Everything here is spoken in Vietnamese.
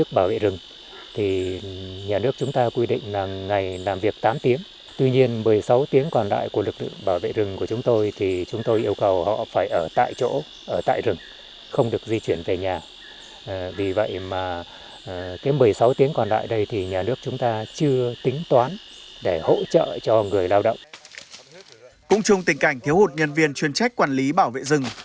cũng chung tình cảnh thiếu hụt nhân viên chuyên trách quản lý bảo vệ rừng